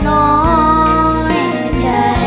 ขอบคุณครับ